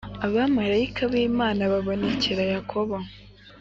Abamalayika b’Imana babonekera Yakobo